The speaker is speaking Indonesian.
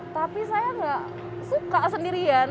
tapi saya nggak suka sendirian